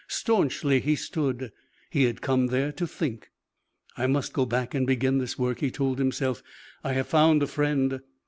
Staunchly he stood. He had come there to think. "I must go back and begin this work," he told himself. "I have found a friend!"